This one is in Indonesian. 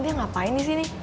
dia ngapain disini